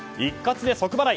一括で即払い